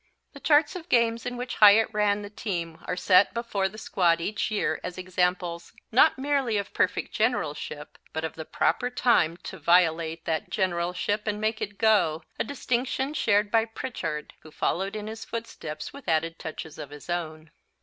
The charts of games in which Hyatt ran the team are set before the squad each year as examples, not merely of perfect generalship, but of the proper time to violate that generalship and make it go, a distinction shared by Prichard, who followed in his footsteps with added touches of his own.